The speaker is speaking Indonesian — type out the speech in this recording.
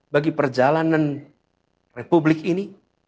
bagi perjalanan republik ini